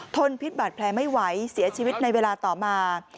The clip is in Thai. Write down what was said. นพิษบาดแผลไม่ไหวเสียชีวิตในเวลาต่อมา